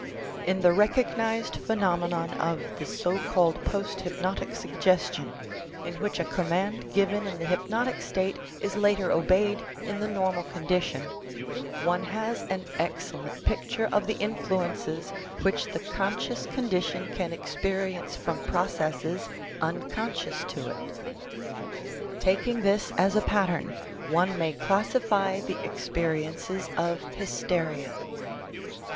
In the recog nized phenomenon of the so called post hypnotic suggestion, in which a command given in the hypnotic state is later obeyed in the normal condition, one has an excellent picture of the influences which the conscious condition can experience from processes unconscious to it; taking this as a pattern, one may classify the experiences of hysteria.